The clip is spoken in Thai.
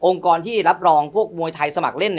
องค์กรที่รับรองมวยไทยสมัครเล่น